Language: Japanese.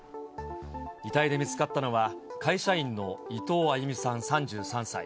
遺体で見つかったのは、会社員の伊藤亜佑美さん３３歳。